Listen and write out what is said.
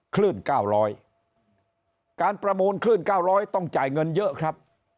คลื่น๙๐๐การประมูลคลื่น๙๐๐ต้องจ่ายเงินเยอะครับ